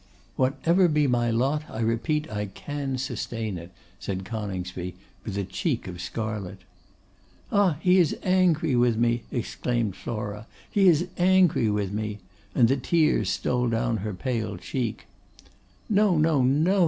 'Whatever be my lot, I repeat I can sustain it,' said Coningsby, with a cheek of scarlet. 'Ah! he is angry with me,' exclaimed Flora; 'he is angry with me!' and the tears stole down her pale cheek. 'No, no, no!